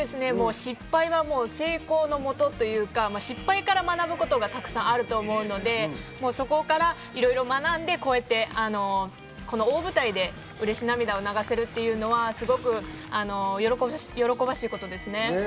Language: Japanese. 失敗は成功のもとというか、失敗から学ぶことがたくさんあると思うので、そこからいろいろ学んでこの大舞台でうれし涙を流せるというのはすごく喜ばしいことですね。